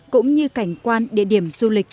cũng như cảnh quan địa điểm du lịch